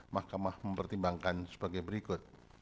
mahkamah mempertimbangkan sebagai berikut